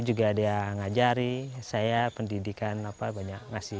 juga dia ngajari saya pendidikan banyak ngasih